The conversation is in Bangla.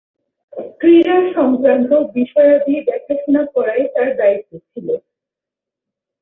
ক্রীড়া সংক্রান্ত বিষয়াদি দেখাশোনা করাই তার দায়িত্ব ছিল।